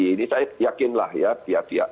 ini saya yakinlah ya tiap tiap